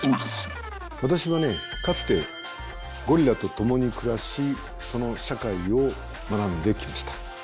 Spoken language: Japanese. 私はねかつてゴリラと共に暮らしその社会を学んできました。